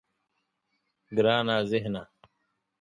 گرانه ذهنه.